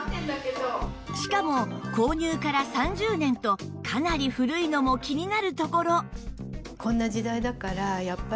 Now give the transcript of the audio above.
しかも購入から３０年とかなり古いのも気になるところ